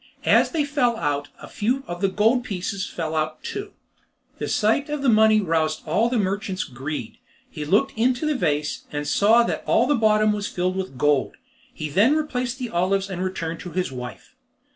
As they fell out a few of the gold pieces fell out too. The sight of the money roused all the merchant's greed. He looked into the vase, and saw that all the bottom was filled with gold. He then replaced the olives and returned to his wife.